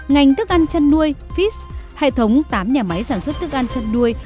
ngành thức ăn chăn nuôi fis hệ thống tám nhà máy sản xuất thức ăn chăn nuôi